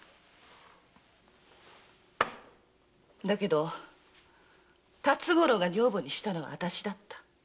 だけど辰五郎が女房にしたのは私だった。